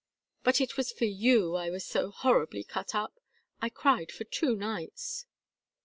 But it was for you I was so horribly cut up. I cried for two nights."